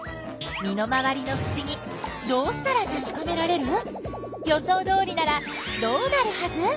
身の回りのふしぎどうしたらたしかめられる？予想どおりならどうなるはず？